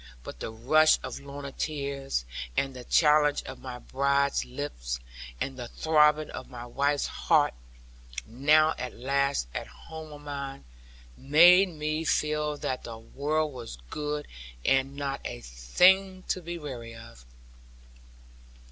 But the rush of Lorna's tears, and the challenge of my bride's lips, and the throbbing of my wife's heart (now at last at home on mine), made me feel that the world was good, and not a thing to be weary of.